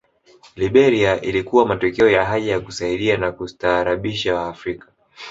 Liberia ilikuwa matokeo ya haja ya kusaidia na kustaarabisha Waafrika